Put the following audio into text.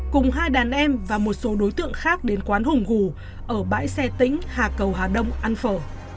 cùng hai đàn em và một số đối tượng khác đến quán hùng hù ở bãi xe tĩnh hà cầu hà đông ăn phở